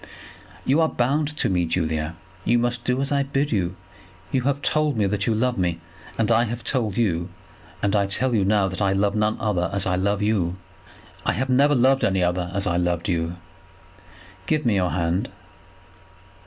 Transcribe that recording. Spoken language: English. "You are bound to me, Julia. You must do as I bid you. You have told me that you love me; and I have told you, and I tell you now, that I love none other as I love you; have never loved any other as I have loved you. Give me your hand."